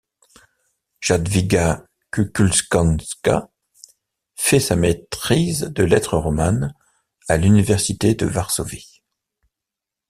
Jadwiga Kukułczanka fait sa maîtrise de lettres romanes à l'université de Varsovie.